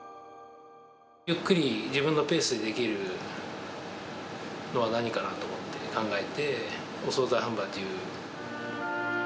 ゆっくり自分のペースでできるのは何かなと思って考えて、お総菜販売という。